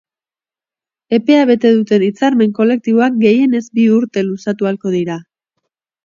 Epea bete duten hitzarmen kolektiboak gehienez bi urte luzatu ahalko dira.